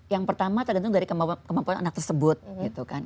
yang pertama tergantung dari kemampuan anak tersebut gitu kan